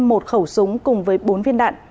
một khẩu súng cùng với bốn viên đạn